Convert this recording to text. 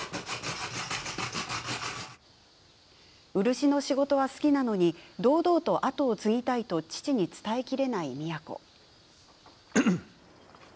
漆の仕事は好きなのに堂々と後を継ぎたいと父に伝えきれない美也子。